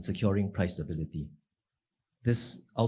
dalam memperbaiki stabilitas harga